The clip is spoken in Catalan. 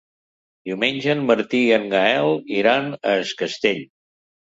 Diumenge en Martí i en Gaël iran a Es Castell.